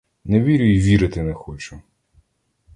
Не вірю й вірити не хочу!